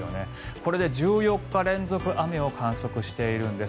これで１４日連続雨を観測しているんです。